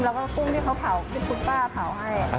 แล้วก็กุ้งที่พี่ป๊าเผาให้